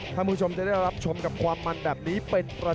ถ้าผู้ชมจะได้รับชมกับความมันอีกครั้งครับ